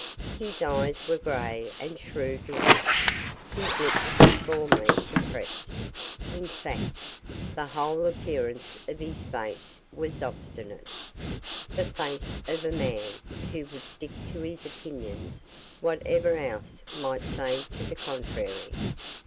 His eyes were grey and shrewd looking, his lips were firmly compressed in fact, the whole appearance of his face was obstinate the face of a man who would stick to his opinions whatever anyone else might say to the contrary.